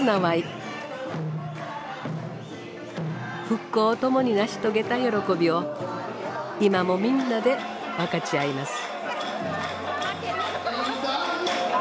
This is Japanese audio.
復興を共に成し遂げた喜びを今もみんなで分かち合います。